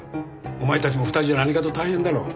お前たちも２人じゃ何かと大変だろう？